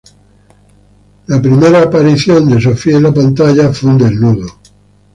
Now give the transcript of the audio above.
Sophie hizo su aparición primer desnudo en pantalla.